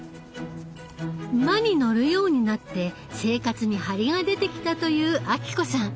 馬に乗るようになって生活に張りが出てきたと言う暁子さん。